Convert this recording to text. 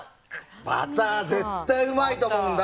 バターは絶対にうまいと思うんだ。